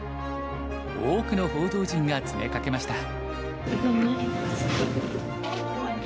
多くの報道陣が詰めかけました。